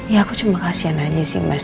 ya aku cuma kasihan aja sih mas